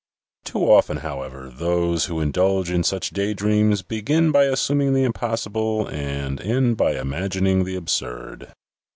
Too often, however, those who indulge in such day dreams begin by assuming the impossible, and end by imagining the absurd.